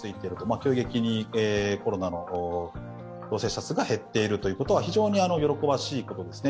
急激にコロナの陽性者数が減っているということは非常に喜ばしいことですね。